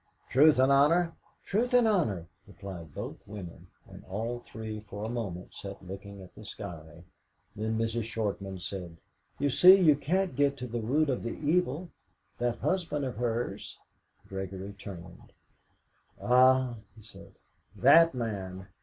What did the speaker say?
"Truth and honour?" "Truth and honour," replied both women. And all three for a moment sat looking at the sky. Then Mrs. Shortman said: "You see, you can't get to the root of the evil that husband of hers." Gregory turned. "Ah," he said, "that man!